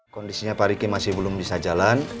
kondisinya pariki masih belum bisa jalan